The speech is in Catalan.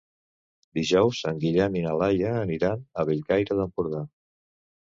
Dijous en Guillem i na Laia aniran a Bellcaire d'Empordà.